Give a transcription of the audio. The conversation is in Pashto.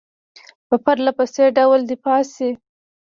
په پرله پسې ډول دفع شي.